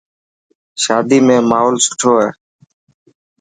شادي ۾ ماحول سٺو هو.